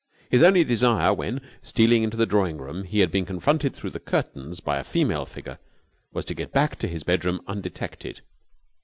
His only desire when, stealing into the drawing room he had been confronted through the curtains by a female figure, was to get back to his bedroom undetected.